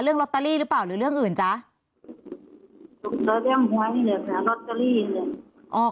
เรื่องลอตเตอรี่หรือเปล่าหรือเรื่องอื่นจ้ะเรื่องลอตเตอรี่เลย